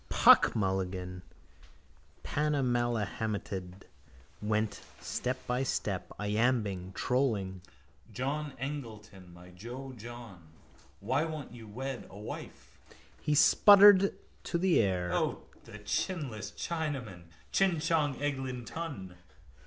Puck Mulligan, panamahelmeted, went step by step, iambing, trolling: John Eglinton, my jo, John, Why won't you wed a wife? He spluttered to the air: —O, the chinless Chinaman! Chin Chon Eg Lin Ton.